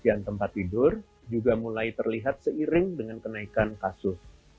pembelian tempat tidur juga mulai terlihat seiring dengan kenaikan kasus